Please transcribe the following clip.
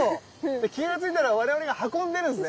で気が付いたら我々が運んでるんですね？